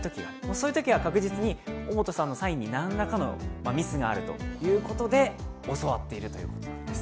そういうときは確実に尾本さんのサインに何らかのミスがあるということで、教わっているということなんです。